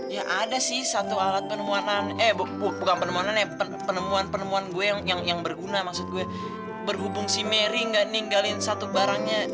ya ada sih satu alat penemuan eh bukan penemonan ya penemuan penemuan gue yang berguna maksud gue berhubung si mary nggak ninggalin satu barangnya